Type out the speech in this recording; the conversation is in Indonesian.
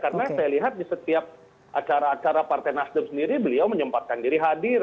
karena saya lihat di setiap acara acara partai nasdem sendiri beliau menyempatkan diri hadir